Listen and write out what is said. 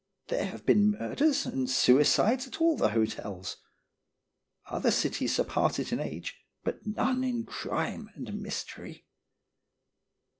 There have been murders and suicides at all the hotels. Other cities surpass it in age, but none in crime and mystery."